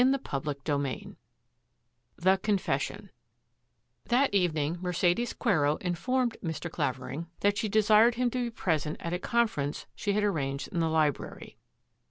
CHAPTER XXVI THE CONFESSION That evening Mercedes Quero informed Mr. Clavering that she desired him to be present at a conference she had arranged in the library.